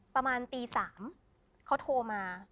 ประมาณตี๓เขาโทรมา